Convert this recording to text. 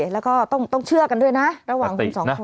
แล้วก็ต้องเชื่อกันด้วยนะระหว่างคุณสองคน